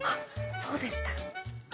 そうでした。